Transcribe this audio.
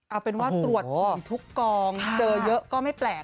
เอาเป็นว่าตรวจผีทุกกองเจอเยอะก็ไม่แปลก